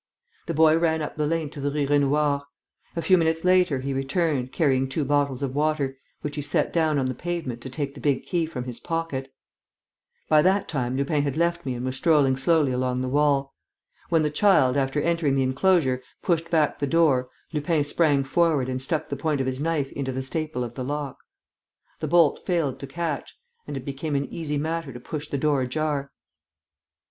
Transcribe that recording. The boy ran up the lane to the Rue Raynouard. A few minutes later he returned, carrying two bottles of water, which he set down on the pavement to take the big key from his pocket. By that time Lupin had left me and was strolling slowly along the wall. When the child, after entering the enclosure, pushed back the door Lupin sprang forward and stuck the point of his knife into the staple of the lock. The bolt failed to catch; and it became an easy matter to push the door ajar.